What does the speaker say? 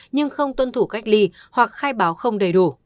nhưng không tuân thủ cách ly hoặc khai báo không đầy đủ